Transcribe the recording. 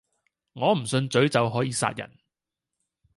我唔信詛咒可以殺人